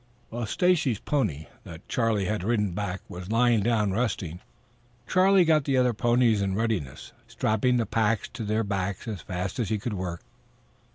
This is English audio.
While Stacy's pony, that Charlie had ridden back, was lying down resting, Charlie got the other ponies in readiness, strapping the packs to their backs as fast as he could work.